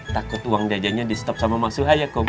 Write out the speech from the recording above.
takut uang dajanya di setop sama mas suha ya kum